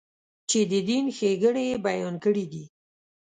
چې د دین ښېګڼې یې بیان کړې دي.